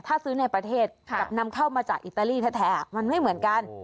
ถ้าซื้อในประเทศกับนำเข้ามาจากอิตาลีแท้มันไม่เหมือนกัน